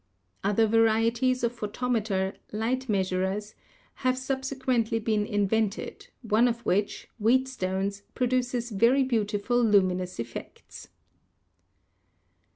Other varieties of pho tometer ("light measurers") have subsequently been in vented, one of which, Wheatstone's, produces very beau tiful luminous effects.